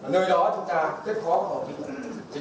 nơi đó chúng ta rất khó khó khăn